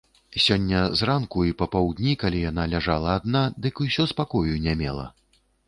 Сёння зранку і папаўдні, калі яна ляжала адна, дык усё спакою не мела.